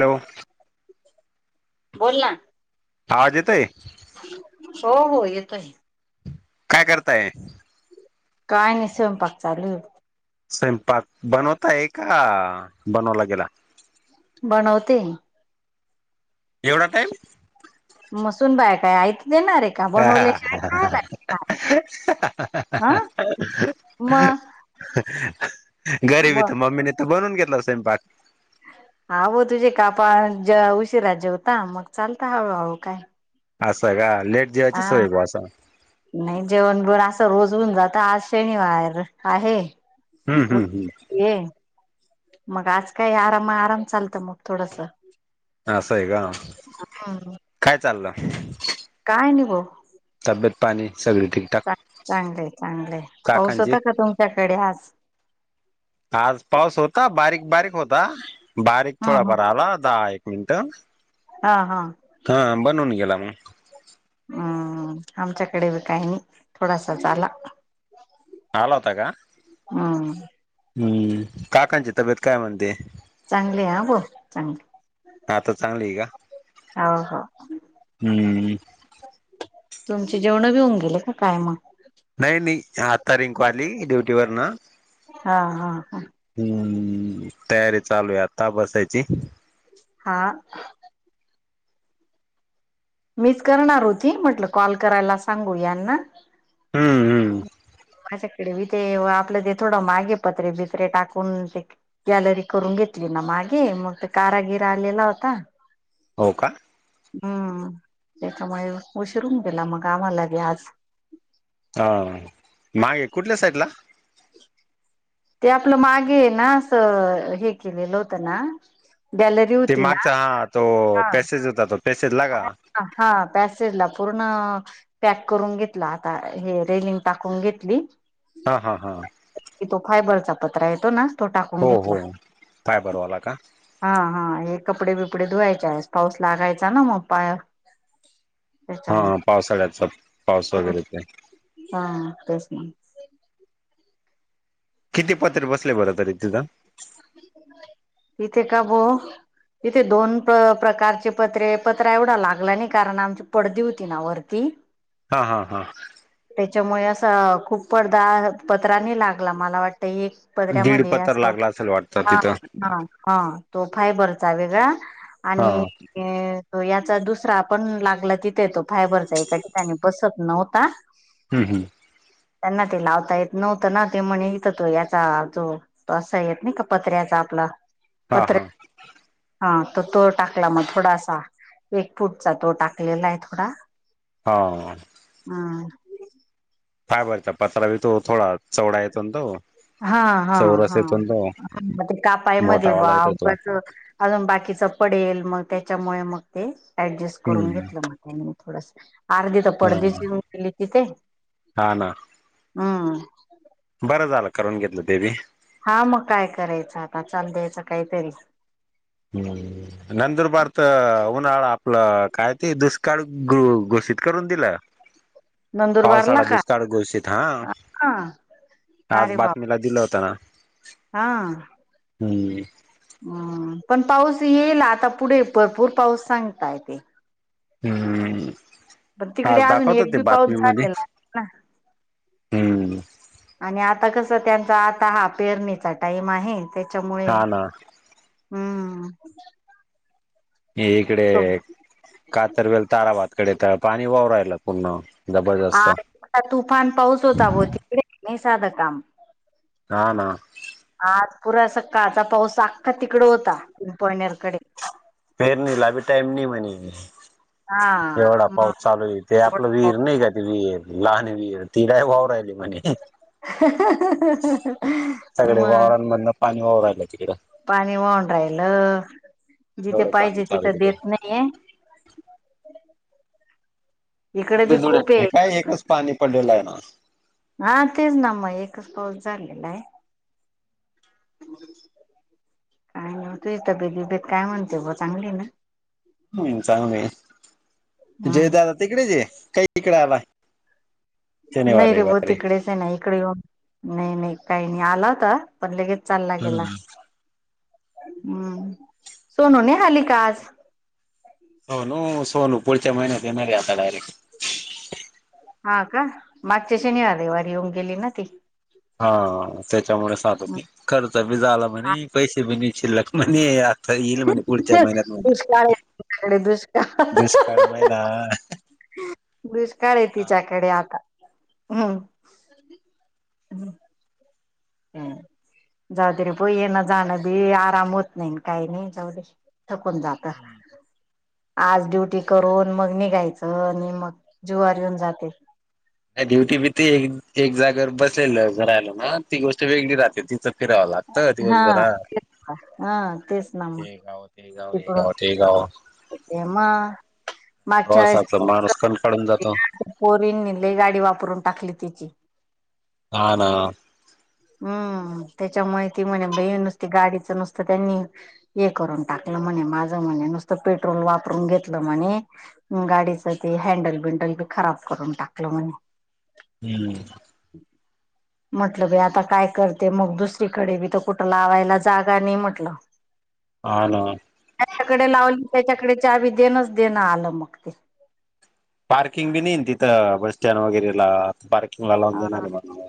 Hello बोल ना आवाज येतय हो.. हो येतोय काय करताय? काय नाही स्वयंपाक चालूय स्वयंपाक बनवता आहे का बनवला गेला? बनवते एवढा टाईम मसून बाय काय आयत देणारे... ! का बनवले काय खायालाय हा मग घरी बि तर मग मम्मीने तर बनूऊन घेतला स्वयंपाक हव तुझे का आपण ज उशीरा जेवता मग चालत हळूहळू काय असं का लेट जेवायची हा सवय भा असा नाही जेवण बिवन असं रोज होऊन जात आज शनिवार.. आहे हम्म हम्म हम्म ये मग आज काय आराम आराम चालत मग... थोडस! असं आहे... का हम्म काय चाललं? काय नि बघ.. तब्येत पाणी सगळी ठीक? चांगलंय चांगलय पाऊस काकांची होता का तुमच्याकडे आज? आज पाऊस होता बारीक बारीक होता बारीक हम्म हम्म थोडाफार आला दहा एक मिनिट! हा.. हा हा बनवून गेला मग. हम्म आमच्याकडे बी काही नाही थोडासाच आला आला होता का? हम्म हम्.. काकांची तब्येत काय म्हणते? चांगले ह बो.. चांगली.. हा आता चांगली आहे का? हो.. हो हम्म तुमची जेवण बि हुन गेले का काय मग? नाही नाही आत्ता रिंकू आली ड्युटी वरन.. हा हा हा हम्म.. तयारी चालू हाय आता बसायची.. ! हा मीच करणार होती म्हटलं कॉल करायला सांगू यांना.. हम्म ! हम्म [inaudible] एरवी ते.. आपलं ते थोडं मागे पत्रे भितरे टाकून ते गॅलरी करून घेतली ना मागे मग ते कारागिर आलेला होता हो का हम्म त्याच्यामुळे उशीरून गेला मग कामाला बि आज हा मागे कुठल्या साईड ला? ते आपलं मागे ना असं हे केलेलं होतं ना गॅलरी ते होती ना मागचा हा तो पॅसेज होता तो पॅसेज लागा ह हा प्यासरला पूर्ण पॅक करून घेतला आता हे रेलिंग टाकून घेतली हा हा हा की तो फायबरचा पत्र येतो ना तो टाकून हो घेतला हो फायबरवाला का हा हा हे कपडे बिपडे धुवायचे आहेस पाऊस लागायचा ना मग पाय हा त्याच्यामुळे पावसाळ्यातचा पाऊस वगैरे ते हा प्रसला किती पत्र बसले बरं तरी तुझं इथे का बो तिथे दोन प्रकारचे पत्रे पत्र एवढा लागला नाही कारण आमची पडदी होती ना वरती हा हा हा त्याच्यामुळे असं खूप पडदा पत्रानी लागला मला वाटत ह दीड पदऱ्यामध्ये पत्र असं लागला असेल वाटतं हा तिथं हा हा तो फायबरचा वेगळा हा आणि हम्म याचा दुसरा पण लागला तिथे तो फायबरचा एका ठिकाणी बसत नव्हता हम् हम्म त्यांना ते लावता येत नव्हतं ना ते म्हण इथं तो याचा जो तो असा येत ना का पत्र्याचा आपला हा पत्र हा हा त तो टाकला मग थोडासा वे फूटचा तो टाकलेला आहे थोडा हा हा काय बरचा पत्रा बी तो थोडा चवढा येतो ना तो हा हा चौरस हा येतो ना तो मग ते कापायमध्ये मोठावाला येतो तो वावच अजून बाकीच पडेल मग त्याच्यामुळे मग ते ऍडजस्ट करून हम्म घेतलं मग थोडस अर्धी तर हा पडदीच येऊन केली तिथे हा ना हम् बरं झालं करून घेतलं देवी हा मग काय करायचं आता चाल द्यायचं काहीतरी हम नंतरबार तर उन्हाळा आपलं काय ते दुष्काळ घोषित करून दिलं नंदुरबारला पावसाळा का दुष्काळ गोषित हा हा आज अरे बाबा बातमीला दिलं होतं ना हा हम्म हम पण पाऊस येईला आता पुढे भरपूर पाऊस सांगताय ते हम्म पण तिकडे आज अजून दाखवत एक ते बी पाऊस बातमीमध्ये झालेला ना हम्म आणि आता कसं त्यांचा आता हा पेरणीचा टाइम आहे त्याच्यामुळे हा ना हम्म इकडे कातरवेल ताराभातकडे तर पाणी वावरायला पूर्ण जबरदस्त आज तुफान पाऊस होता ग तिकडे साधं काम का ना आज पुरा अस काळचा पाऊस अख्खा तिकड होता पिंपळणेरकडे पेरणीला बी टाइम नाही म्हणे हा एवढा मग पाऊस चालू येईल ते आपलं तेवढा विहीर नाही का ते विहीर लहान विर तिड वाव राहिली म्हणे हा हा सगळे वावरांमधन पाणी वाव रायलं तिकडं पाणी वाून राहिल जिथे एवढं पाणी पाहिजे चालू आहे तिथं देत तिकडं नाहीये इकडे बी जुड खूप नाही आहे काय एकच पाणी पडलेलं आहे ना हा तेच ना मग एकच पाऊस झालेला आहे काय तू तबेदी बेत काय म्हणते ब चांगली ना चांगलं हम्म जयदादा तिकडेच काही इकडे आला शनिवार नाही रे बो रविवारी तिकडेच आहे ना इकडे येऊन नाही नाही काही नाही आला होता पण लगेच चालला गेला हम्म हम्म सोनू न आली का आज सोनू सोनू पुढच्या महिन्यात येणार आता डयरेक्ट हा का मागच्या शनिवारेवारी येऊन गेली ना ती हा त्याच्यामुळे सातते खर्च बी झाला म्हणे पैसे बि नि शिल्लक म्हणे या येईल म्हहि पुढच्या दुष्काळ आहे महिन्यात तिच्याकडे दुष्काळ दुष्काळ महिना दुष्काळ आहे तिच्याकडे आता हम् हम् जाऊदरीे प येण जाणं बी आराम होत नाही काही नाही जाऊ थकून जात ह आज ड्युटी करून मग निघायचं आणि मग जुववर येऊन जाते ड्युटी बी ते एक जागेवर बसलेलं घरायला ना ती गोष्ट वेगळी राहे तिथं फिरावं लागत हा दिवसभरात हा तेच ना मग हे गाव हे हे तेक आहे तेमा हो असच माणूसकण काढून जातो पोरीन निली गाडी वापरून टाकली तिची ह ना हम्म त्याच्यामुळे त म्हणे बे नुसती गाडीचं नुसतं त्यांनी हे करून टाकलं म्हणे माझं म्हणे नुसतं पेट्रोल वापरून घेतलं म्हणे गाडीच ते हँडल बिंडल बी खराब करून टाकलं म्हणे ह म्हटलं ब आता काय करते मग दुसरीकडे बी तर कुठला लावायला जागा नाही म्हटलं ह ना त्याच्याकडे लावली त्याच्याकडे चहा बी देणच देणं आलं मग ते पार्किंग बी नाही तिथं बस स्टँड वगैरेला पार्किंग लावून देणार हा आहे म्हण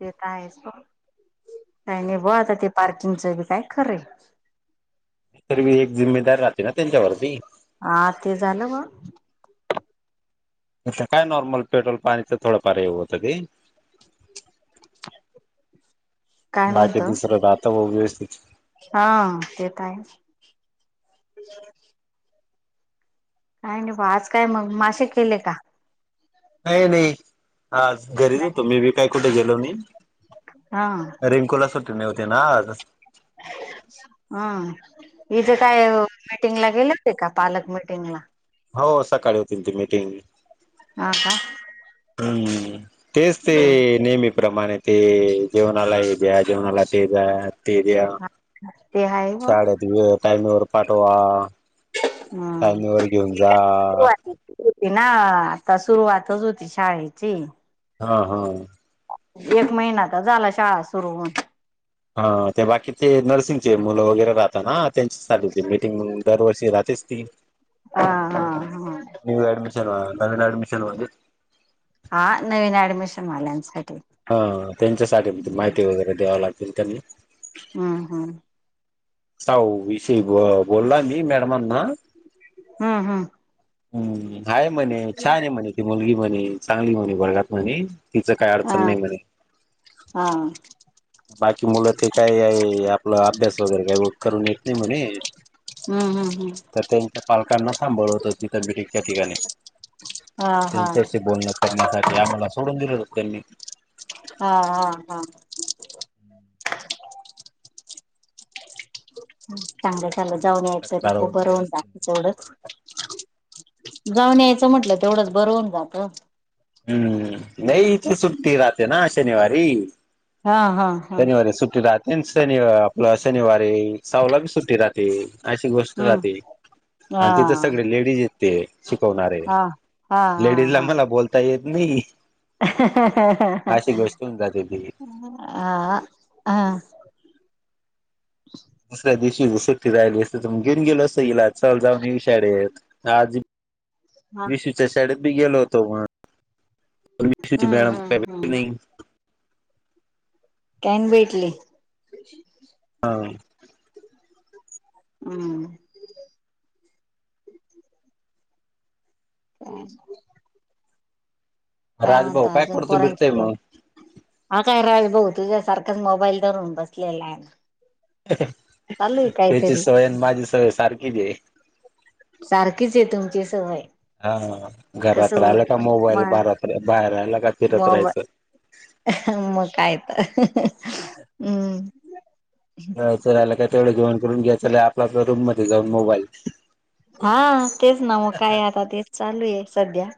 ते तर आहेच प काही नाही ब आता ते पार्किंगच बी काय खरंे तर मी एक जिम्मेदार राहते ना त्यांच्यावरती हा ते झालं ग काय नॉर्मल पेट्रोल पाणीचं थोडं फार हे होतं ते काय बाकी म्हणतो दुसरं राात व व्यवस्थित हा ते तरय का नाही बा आज काय मग मासेे केले का का नाही आा घरीच होतो मी बी काय कुठे गेलो नाही हा रिंकूला सुट न होते ना आ हम इथे काय मिीटिंगला गेले हो ते का पालक मिीटिंगला हो सकाळी होतील ती मीटिंग हो का हम्म तेच ते नेहमी प्र्रमाणे ते जेवणाला हे द्या जेवणाला ते जा ते आहे ब साड टमर पाठवा हम्म टायमेवर घेऊन जा. ना आता सुरुवातच होती शाळेची हां हां एक महिना तर झाला शाळा सुरु होऊन हा ते बाकी नर्सिंगचे मुलं वगैरे राहात हा त्यांच्यासाठी मिीटिंग मग दरवर्षी राहतेच ती हा हा हा न्यू अडमिशन अ नवीन अडमिशन वाले हा नवीन ऍडमिशन वाल्यांसाठी हां त्यांच्यासाठीण माहिती वगैरे द्याव लागती ना त्यांनी हम हम साऊ विषय बोललाय मी मॅडमांना हा हम हम्म हायै म्हणे छान आहे म्हणे ती मुलगी म्हणे चांगली म्हणे वर्गात म्हणे तिचं काय हा अडचण नाही मण हा बाकी मुलं ते काय आहे आपला अभ्यास वगैरे काही करून येत नाही म्हणे हम्म हम् हम्म तर त्यांच्या पालकांना थांबवलं होतं तिथे ब्रिजच्या ठिकाणी हा हा त्यांच्याशी बोलण करण्यासाठी आम्हाला सोडून दिलं हो त्यांनी हा हा हा चांगलं चालत जाऊन त्यांची यायचं तक्रार खूप बरं वगैरे होत असतील जात तेवढेच त्याच्यामुळे. जाऊन यायचं म्हटलं तेवढंच बरं होऊन जात हम्म नाही इथे सुट्टी राहते ना शनिवारी हा हा हा शनिवारी सुट्टी राहते शनिव आपला शनिवारी सावला बी सुट्टी राहते ते अशी गोष्ट हा राहते आणि तिथं सगळे लेडीज येते शिकवणारे हा हा लेडीज ला आम्हाला बोलता येत नाही अशी ह गोष्ट होऊन जाते ती ह [unintelligible] दुसऱ्या दिवशी हिची सट्टी राहिली असत तर मग घेन गेलो असं इला चल जाऊन ये विशाळेेत आज हा विशूच्या शाळेत बी गेलो होतो म हम्म मॅड का हम्म हम्म नाही [unintelligible] कॅन भेटलय [inaudible] हा हम्म [unintelligible] [inaudible] काय राजभाऊ म्हणताय अजून करतो पोरांची फिरतोय तब्य मग हा काय रावी भाऊ तुझ्यासारखंच मोबाईल दरून बसलेला आहे चालू आहे त्याची काहीतरी सवय आणि माझी सवय सारखी हे सारखीच हे तुमची सवय हा घरात कसं राहिलं का मोबाईल मग बारात बाहेर राहिला का फिरत मग राहायचं मग काय तर अ [unintelligible] हम्म [inaudible] फिरायला काय तेवढं जेवण करून घ्यायचं आपला आप रूम मध्ये जाऊन मोबाईल हा तेच ना मग काय आता तेच चालूय सध्या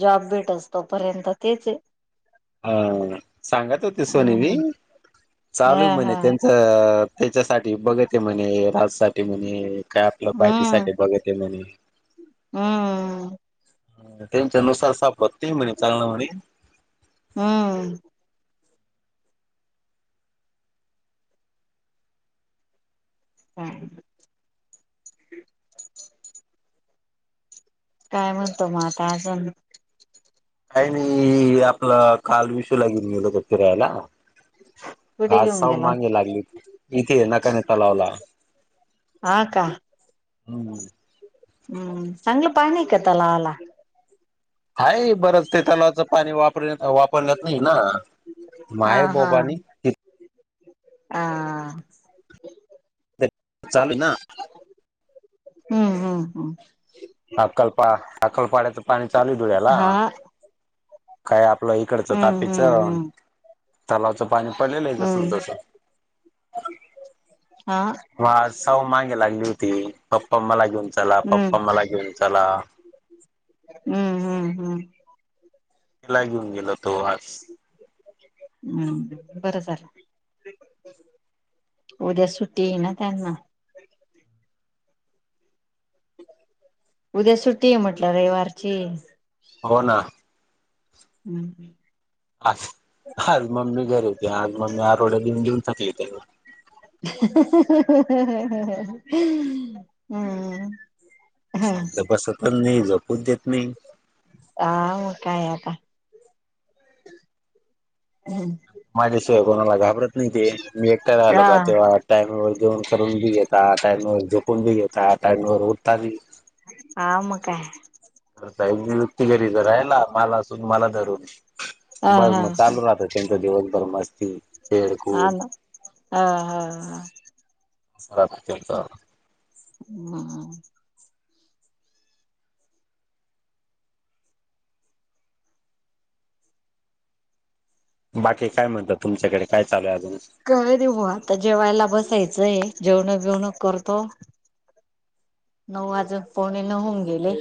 जॉब भेटस तोपर्यंत तेच हे हा सांगत होते सोनी मी हम्म हा चालूय हा म्हणे त्यांच त्याच्यासाठी बघते म्हणे राजसाहेब म्हणे काय आपलं हम्म पायटीसाठी बघते म्हणे हम्म त्यांच्या नुसार सापत तीन म्हणे चांगलं म्हणे हम्म हा [inaudible] काय म्हणत मग आता अजून.... काही नाही आपलं काल विशूला घेऊन गेलो होतो फिरायला... कुठे आज घेऊन सऊ गेला मगे लागली इथे नकाने तलावला... हा का? हम्.... हम्म चांगलं पाणी का तलावाला? हाय बरंच ते त्यालाच पाणी वापर वापरलं नाही ना माहे बोपानी... आ... चालू आहे ना हम्म हम् हम्... अक्कलपा अक्कलपाड्याच पाणी चालू हे धुळ्याला हा खयात... आपलं इकडच हम्म तापीच हम्म हम्म तलावचं पाणी पडलेले जसच हम्म तस.... हा म सव मागे लागली होती पप्पा मला घेऊन चला हम्म पप्पा मला घेऊन चला... हम्म हम्म हम्म... ला घेऊन गेलो तो आज... हम् बरं झालं.. उद्या सुट्टी आहे ना त्यांना.... उद्या सुट्टी आहे म्हटलं रविवारची... हो ना... हम्.. आ आज मम्मी घरी होती आज मम्मी आरवड्या देऊन घेऊन कली त्या... हम्... शांत बसत पण नाही झोपू देत नाही... हा म काय का आता? ह माझ्याशिवाय कोणाला घाबरत नाही ते मी एकट्या रा आलो का तेव्हा... टामवर जेवण करून बी घेतता टाइम ववर झुकून बी घेतात टामवर उठता बी.... आ म काय? ता एक युती घरी तर राहिला मला असध मला धरून ह बस मग ह चालू राहत.... त्यांचा दिवस भर नसती... हा ना ह हा ह.... त... हम... बाकी काय म्हणतात तुमच्याकडे काय चालूय अजून... कळ रव आता जेवायला बसायचंय जेवण बेवण करतो... नऊ वाज पोणे नऊ होऊन गेले...